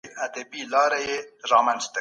نفقه د ميرمني د محبوسيت په سبب واجبه سوې ده.